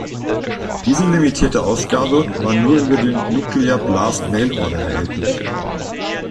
Diese limitierte Ausgabe war nur über den Nuclear-Blast-Mailorder erhältlich.